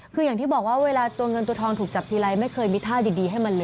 คืออย่างที่บอกว่าเวลาตัวเงินตัวทองถูกจับทีไรไม่เคยมีท่าดีให้มันเลย